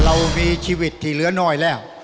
เรามีชีวิตที่เหลือน้อยแล้ว